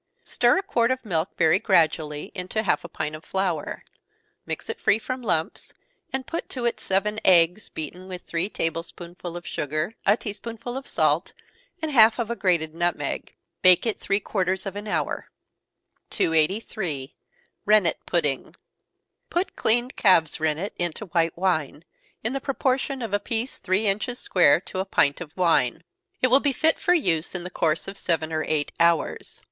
_ Stir a quart of milk very gradually into half a pint of flour mix it free from lumps, and put to it seven eggs, beaten with three table spoonsful of sugar, a tea spoonful of salt, and half of a grated nutmeg. Bake it three quarters of an hour. 283. Rennet Pudding. Put cleaned calf's rennet into white wine, in the proportion of a piece three inches square to a pint of wine. It will be fit for use in the course of seven or eight hours.